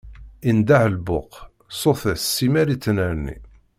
Indeh lbuq, ṣṣut-is simmal ittnerni.